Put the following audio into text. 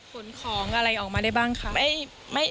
ขนของอะไรออกมาได้บ้างคะ